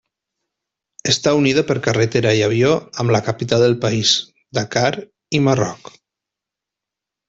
Està unida per carretera i avió amb la capital del país, Dakar i Marroc.